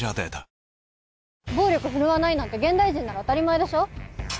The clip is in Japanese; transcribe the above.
夏帆：暴力振るわないなんて現代人なら当たり前でしょ？